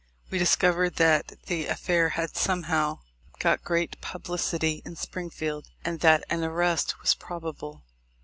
We discovered that the affair had, somehow, got great publicity in Spring field, and that an arrest was probable.